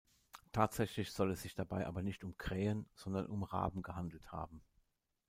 Tatsächlich soll es sich dabei aber nicht um Krähen, sondern um Raben gehandelt haben.